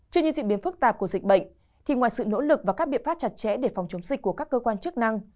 trên những diễn biến phức tạp của dịch bệnh thì ngoài sự nỗ lực và các biện pháp chặt chẽ để phòng chống dịch của các cơ quan chức năng